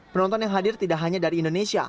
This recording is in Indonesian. penonton yang hadir tidak hanya dari indonesia